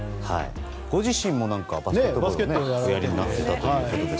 ご自身もバスケットをおやりになっていたということで。